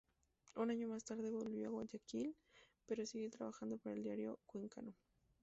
Un año más tarde volvió a Guayaquil pero siguió trabajando para el diario cuencano.